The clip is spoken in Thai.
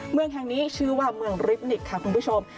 เมืองแห่งนี้ชื่อว่าเมืองริบนิกค่ะคุณผู้ชม